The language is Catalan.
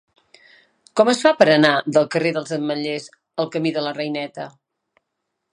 Com es fa per anar del carrer dels Ametllers al camí de la Reineta?